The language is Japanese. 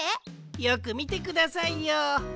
よくみてくださいよ。